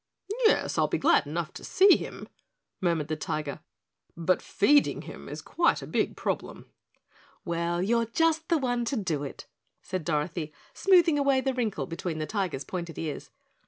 "Yes, I'll be glad enough to see him," murmured the Tiger, "but feeding him is quite a big problem." "Well, you're just the one to do it," said Dorothy, smoothing away the wrinkle between the Tiger's pointed ears.